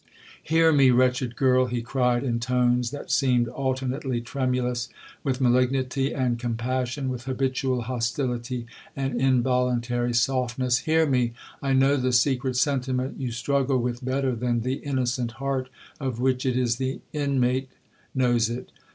'Hear me, wretched girl!' he cried in tones that seemed alternately tremulous with malignity and compassion, with habitual hostility and involuntary softness; 'hear me! I know the secret sentiment you struggle with better than the innocent heart of which it is the inmate knows it.